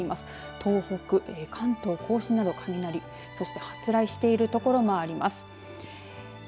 東北、関東甲信など雷、そして発雷している所もあります。